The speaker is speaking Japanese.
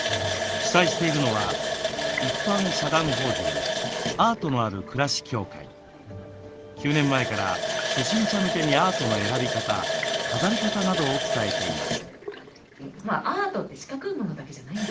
主催しているのは９年前から初心者向けにアートの選び方飾り方などを伝えています。